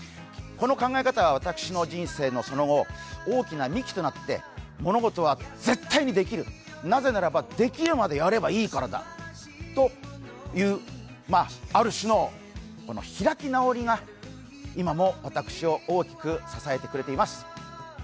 この考え方は私の人生のその後、大きな幹となって物事は絶対にできる、なぜならばできるまでやればいいからだというある種の開き直りが、今も私を大きく支えてくれています。